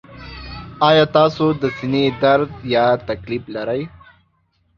ایا تاسو د سینې درد یا تکلیف لرئ؟